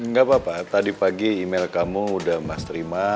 gak apa apa tadi pagi email kamu udah masterin